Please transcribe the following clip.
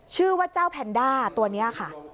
ชื่อว่าเจ้าแพนด้าตัวนี้ค่ะ